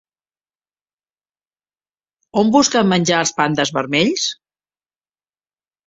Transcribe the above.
On busquen menjar els pandes vermells?